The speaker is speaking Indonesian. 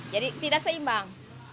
jadi tidak seimbang